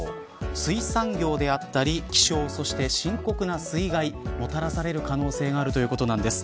水産業であったり気象、そして深刻な水害もたらされる可能性があるということなんです。